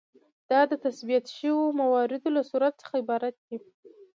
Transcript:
دا د تثبیت شویو مواردو له صورت څخه عبارت دی.